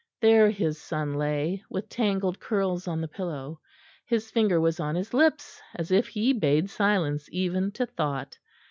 There his son lay, with tangled curls on the pillow; his finger was on his lips as if he bade silence even to thought.